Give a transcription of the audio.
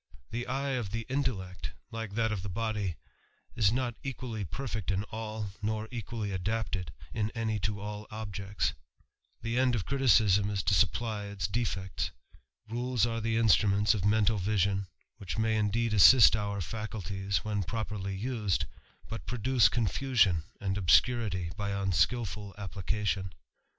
The eye of the intellect, like that of the body, is not equally perfect in all, nor equally adapted in any to all objects ; the end of criticism is to supply its defects ; tules are the instruments of mental vision, which may indeed assist our faculties when properly used, but produce confusion and obscurity by unskilful application.